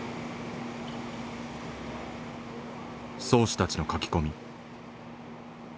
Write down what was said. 漕手たちの書き込み。